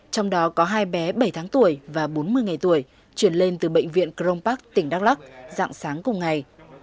trong đó có hai bé bảy tháng tuổi và bốn mươi ngày tuổi chuyển lên từ bệnh viện crong park tỉnh đắk lắc dạng sáng cùng ngày